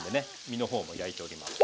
身のほうも焼いております。